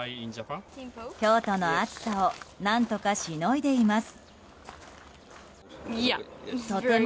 京都の暑さを何とかしのいでいます。